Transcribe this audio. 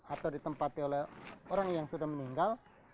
atau ditempati oleh orang yang sudah meninggal